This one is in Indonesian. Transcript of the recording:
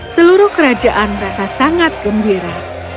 seluruh kerajaan merasa sangat gembira